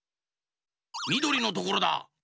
みどりのところだ。